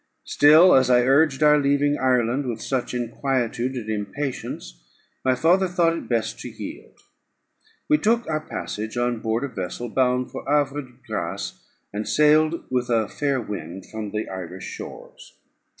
Still, as I urged our leaving Ireland with such inquietude and impatience, my father thought it best to yield. We took our passage on board a vessel bound for Havre de Grace, and sailed with a fair wind from the Irish shores.